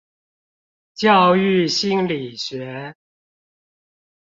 教育心理學